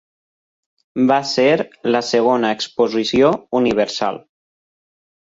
Va ser la segona exposició universal.